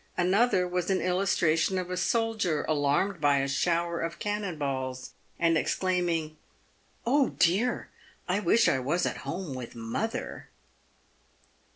Another was an illustration of a soldier alarmed by a shower of cannon balls, and exclaiming, " Oh! dear, I wish I was at home with mother."